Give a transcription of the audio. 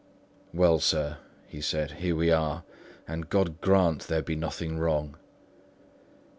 "Well, sir," he said, "here we are, and God grant there be nothing wrong."